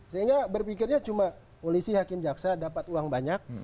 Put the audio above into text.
sehingga berpikirnya cuma polisi hakim jaksa dapat uang banyak